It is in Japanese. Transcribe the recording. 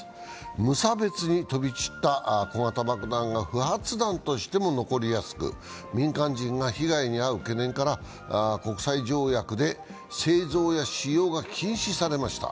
無差別に飛び散った小型爆弾が不発弾としても残りやすく民間人が被害に遭う懸念から国際条約で製造や使用が禁止されました。